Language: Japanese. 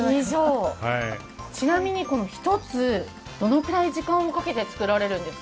ちなみに１つ、どのぐらい時間をかけて作られるんです？